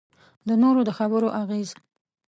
د نورو د خبرو اغېز.